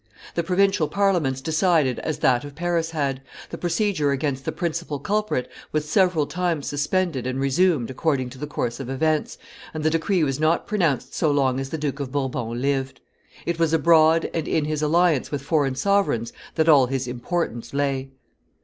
The provincial Parliaments decided as that of Paris had. The procedure against the principal culprit was several times suspended and resumed according to the course of events, and the decree was not pronounced so long as the Duke of Bourbon lived. It was abroad and in his alliance with foreign sovereigns that all his importance lay.